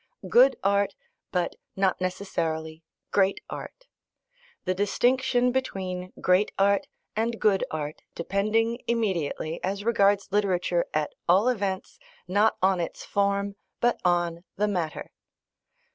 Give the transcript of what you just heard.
Good art, but not necessarily great art; the distinction between great art and good art depending immediately, as regards literature at all events, not on its form, but on the matter.